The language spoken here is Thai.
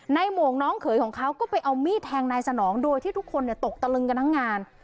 โมงน้องเขยของเขาก็ไปเอามีดแทงนายสนองโดยที่ทุกคนตกตะลึงกันทั้งงาน